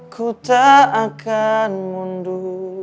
ku tak akan mundur